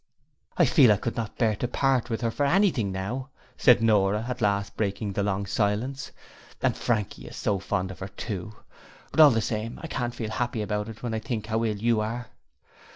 'I feel that I could not bear to part with her for anything now,' said Nora at last breaking the long silence, 'and Frankie is so fond of her too. But all the same I can't feel happy about it when I think how ill you are.'